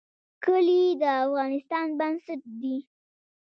کلي د افغانستان بنسټ دی